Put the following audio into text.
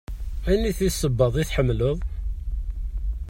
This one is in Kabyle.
Aniti sebbaḍ i tḥemmleḍ?